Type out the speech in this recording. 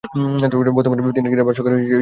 বর্তমানে তিনি ক্রীড়া ভাষ্যকার হিসেবে কাজ করছেন।